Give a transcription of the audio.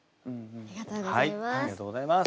ありがとうございます。